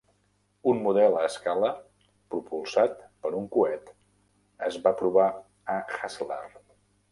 Un model a escala propulsat per un coet es va provar a Haslar.